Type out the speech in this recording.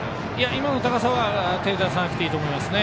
今の高さは手を出さなくていいと思います。